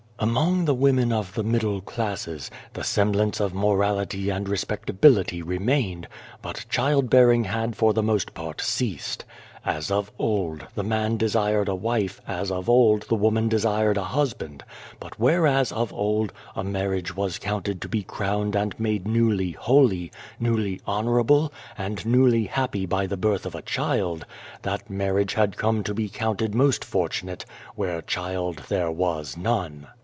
" Among the women of the middle classes, the semblance of morality and respectability remained, but child bearing had for the most part ceased. As of old, the man desired a wife, as of old, the woman desired a husband, but whereas of old, a marriage was counted to be crowned and made newly holy, newly honourable, and newly happy by the birth of a child that marriage had come to be counted most fortunate where child there was none.